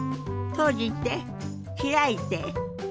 閉じて開いて。